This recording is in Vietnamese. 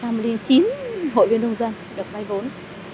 và năm trăm linh chín hội viên nông dân được vay vốn